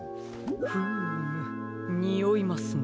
フームにおいますね。